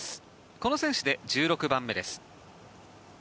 この選手で１６番目です。